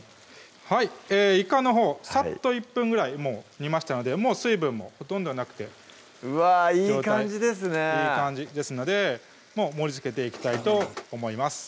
いかのほうさっと１分ぐらい煮ましたのでもう水分もほとんどなくてうわいい感じですねいい感じですので盛りつけていきたいと思います